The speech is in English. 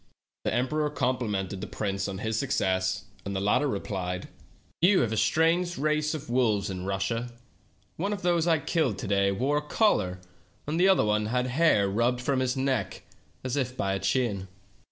The emperor complimented the prince on his suc cess, and the latter replied : "You have a strange race of wolves in Russia. One of those I killed to day wore a collar, and the other had the hair rubbed from his neck as if by a chain."